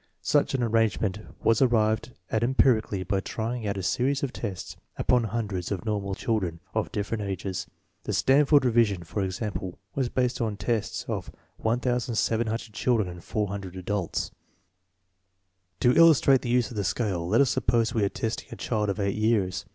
Such an arrangement was arrived at empirically by trying out a series of tests upon hun dreds of normal children of different ages. The Stan ford Revision, for example, was based on tests of 1700 children and 400 adults. To illustrate the use of the scale, let us suppose we are testing a child of eight years.